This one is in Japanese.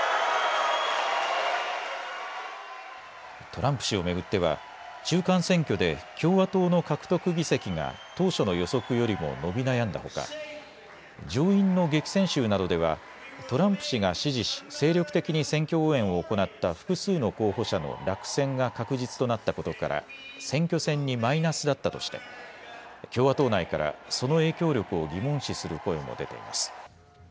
トランプ氏を巡っては中間選挙で共和党の獲得議席が当初の予測よりも伸び悩んたほか、上院の激戦州などではトランプ氏が支持し、精力的に選挙応援を行った複数の候補者の落選が確実となったことから選挙戦にマイナスだったとして共和党内からその影響力を疑問視する声も出ています。